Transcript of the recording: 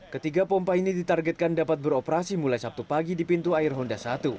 ketiga pompa ini ditargetkan dapat beroperasi mulai sabtu pagi di pintu air honda satu